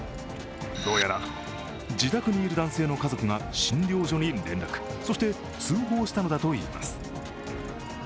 どうやら自宅にいる男性の家族が診療所に連絡、そして通報したのだといいます。